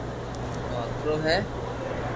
او ھڪرو ھي